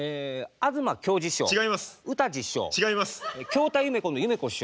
京太・ゆめ子のゆめ子師匠。